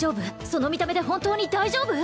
その見た目で本当に大丈夫！？